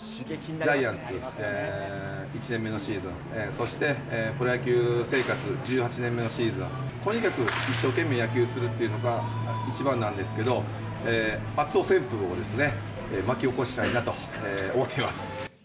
ジャイアンツ１年目のシーズン、そして、プロ野球生活１８年目のシーズン、とにかく一生懸命野球をするっていうのが、一番なんですけど、熱男旋風を巻き起こしたいなと思っています。